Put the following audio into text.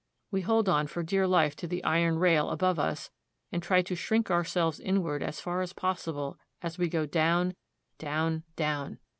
We hold on for dear life to the iron rail above us, and try to shrink ourselves inward as far as possible as we go down, down, down.